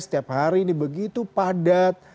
setiap hari ini begitu padat